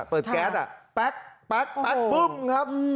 ปั๊กปั๊กปั๊กปุ้มครับ